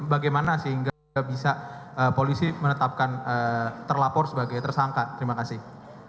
bagaimana sehingga bisa polisi menetapkan terlapor sebagai tersangka terima kasih